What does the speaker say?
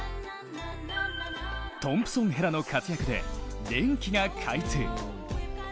トンプソン・ヘラの活躍で電気が開通。